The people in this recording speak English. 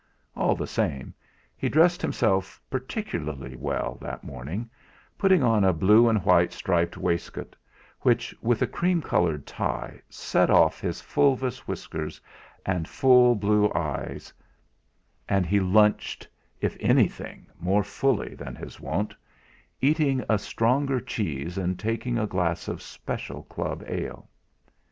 All the same, he dressed himself particularly well that morning, putting on a blue and white striped waistcoat which, with a cream coloured tie, set off his fulvous whiskers and full blue eyes; and he lunched, if anything, more fully than his wont, eating a stronger cheese and taking a glass of special Club ale.